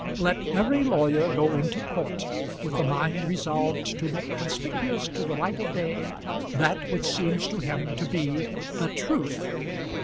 Let every lawyer go into court with a mind resolved to make conspicuous to the light of day that which seems to him to be the truth.